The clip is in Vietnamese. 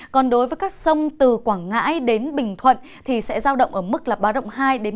còn đối với các sông từ quảng ngãi đến bình thuận thì sẽ giao động ở mức bá động ba